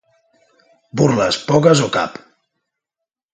Burles, poques o cap.